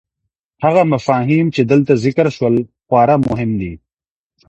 هغه مفاهيم چي دلته ذکر سول، خورا مهم دي.